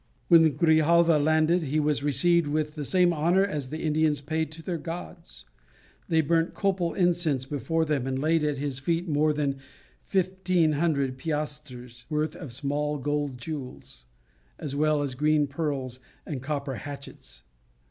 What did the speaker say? When Grijalva landed, he was received with the same honour as the Indians paid to their gods; they burnt copal incense before him, and laid at his feet more than 1500 piastres' worth of small gold jewels, as well as green pearls and copper hatchets.